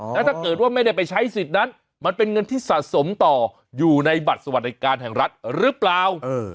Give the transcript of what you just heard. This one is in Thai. แล้วถ้าเกิดว่าไม่ได้ไปใช้สิทธิ์นั้นมันเป็นเงินที่สะสมต่ออยู่ในบัตรสวัสดิการแห่งรัฐหรือเปล่า